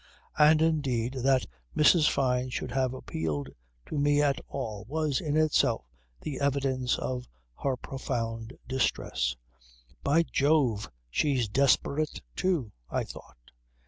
And indeed that Mrs. Fyne should have appealed to me at all was in itself the evidence of her profound distress. "By Jove she's desperate too," I thought.